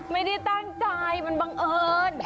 ไม่ได้ตั้งใจมันบังเอิญ